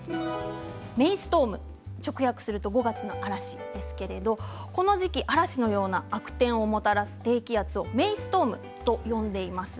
メイストーム直訳すると５月の嵐ですけれどもこの時期、嵐のような悪天をもたらす低気圧をメイストームと呼んでいます。